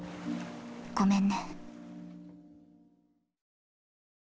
ごめんね。